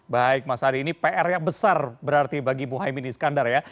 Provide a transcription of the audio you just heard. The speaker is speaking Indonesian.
baik mas hadi ini pr yang besar berarti bagi muhyiddin iskandar ya